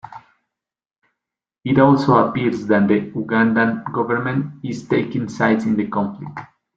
It also appears that the Ugandan government is taking sides in the conflicts.